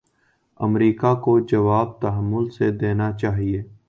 امریکہ کو جواب تحمل سے دینا چاہیے۔